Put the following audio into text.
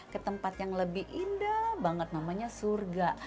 ke tempat yang lebih indah banget namanya surga